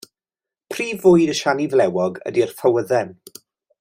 Prif fwyd y siani flewog ydy'r ffawydden.